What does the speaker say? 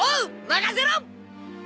任せろ。